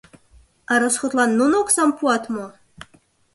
А расходлан нуно оксам пуат мо?